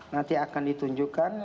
nanti akan ditunjukkan